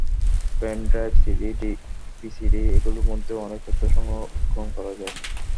Pen drive, CD, VCD এগুলোর মধ্যেও অনেক তথ্য সংরক্ষণ করা যায়।